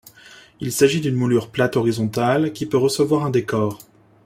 Il s'agit d'une moulure plate horizontale qui peut recevoir un décor.